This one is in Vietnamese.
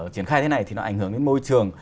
triển khai thế này thì nó ảnh hưởng đến môi trường